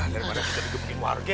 daripada kita dikepungin warga